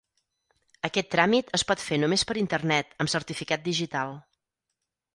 Aquest tràmit es pot fer només per internet amb certificat digital.